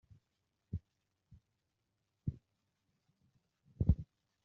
Ibirori byo gutangiza isiganwa ku mugaragaro.